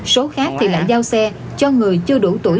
số khác thì lại giao xe cho người chưa đủ tuổi